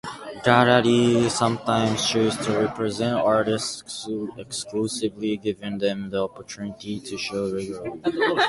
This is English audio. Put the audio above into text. Galleries sometimes choose to represent artists exclusively, giving them the opportunity to show regularly.